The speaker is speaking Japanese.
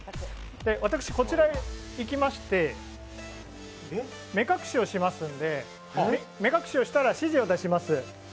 私、こちらへ行きまして、目隠しをしますんで、目隠しをしたら指示を出します。